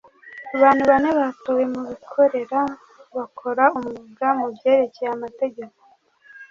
abantu bane batowe mu bikorera bakora umwuga mu byerekeye amategeko